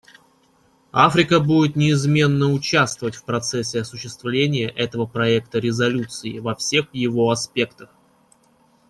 Африка будет неизменно участвовать в процессе осуществления этого проекта резолюции во всех его аспектах.